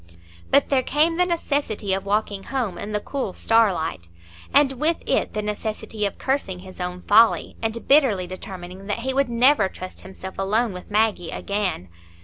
But there came the necessity of walking home in the cool starlight, and with it the necessity of cursing his own folly, and bitterly determining that he would never trust himself alone with Maggie again.